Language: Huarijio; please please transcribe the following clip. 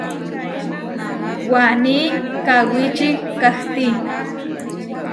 Waní kawíci kahtí.